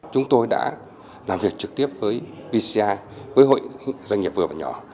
chúng tôi đã làm việc trực tiếp với vci với hội doanh nghiệp vừa và nhỏ